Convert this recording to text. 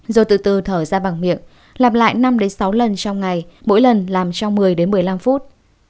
rồi từ từ thở ra bằng miệng làm lại năm sáu lần trong ngày mỗi lần làm trong một mươi đến một mươi năm phút